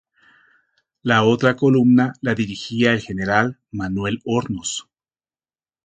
La otra columna la dirigía el general Manuel Hornos.